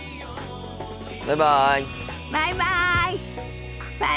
バイバイ。